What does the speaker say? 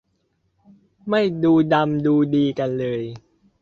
ไม่ดูดำดูดีกันเลย